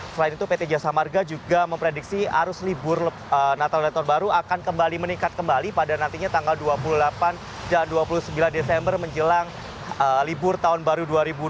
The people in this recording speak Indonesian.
selain itu pt jasa marga juga memprediksi arus libur natal dan tahun baru akan kembali meningkat kembali pada nantinya tanggal dua puluh delapan dan dua puluh sembilan desember menjelang libur tahun baru dua ribu dua puluh